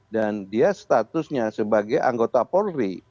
dan dia statusnya sebagai anggota polri